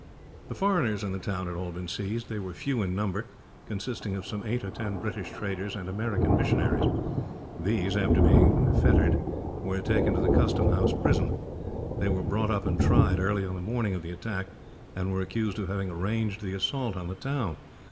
The foreigners in the town had all been seized. They were few in number, consisting of some eight or ten British traders and American missionaries. These, after being fettered, were taken to the Custom House prison. They were brought up and tried, early on the morning of the attack, and were accused of having arranged the assault on the town.